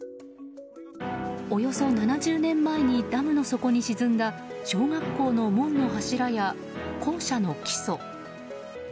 およそ７０年前にダムの底に沈んだ小学校の門の柱や校舎の基礎。